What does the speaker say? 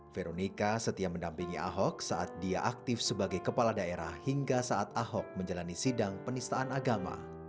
veronica setia mendampingi ahok saat dia aktif sebagai kepala daerah hingga saat ahok menjalani sidang penistaan agama